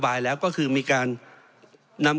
เพราะฉะนั้นโทษเหล่านี้มีทั้งสิ่งที่ผิดกฎหมายใหญ่นะครับ